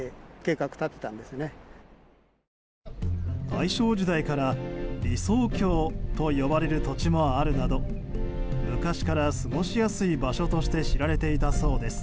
大正時代から理想郷と呼ばれる土地もあるなど昔から過ごしやすい場所として知られていたそうです。